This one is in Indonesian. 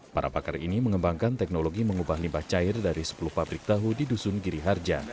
para pakar ini mengembangkan teknologi mengubah limbah cair dari sepuluh pabrik tahu di dusun giri harja